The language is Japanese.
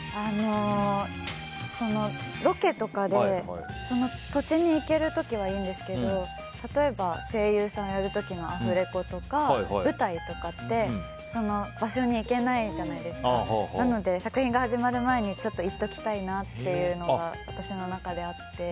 ロケとかで、その土地に行ける時はいいんですけど例えば、声優さんをやる時のアフレコとか舞台とかって、その場所に行けないじゃないですかなので、作品が始まる前にちょっと、行っておきたいなっていうのが私の中であって。